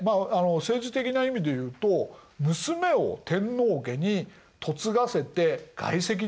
政治的な意味でいうと娘を天皇家に嫁がせて外戚になった。